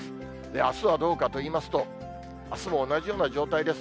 あすはどうかと言いますと、あすも同じような状態です。